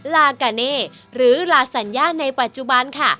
ลากาเน่หรือลาสัญญาในปัจจุบันค่ะ